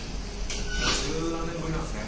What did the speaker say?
もう十何年ぶりなんですね。